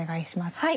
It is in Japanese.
はい。